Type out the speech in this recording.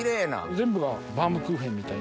全部がバウムクーヘンみたいに。